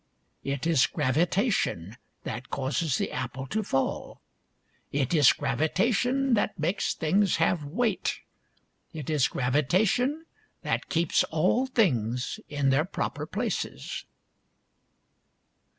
" It is gravitation that causes the apple to fall. " It is gravitation that makes things have weight. " It is gravitation that keeps all things in their proper places."